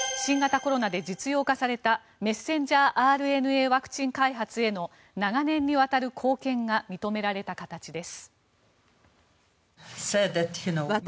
新型コロナで実用化されたメッセンジャーＲＮＡワクチン開発での長年にわたる貢献が認められた形です。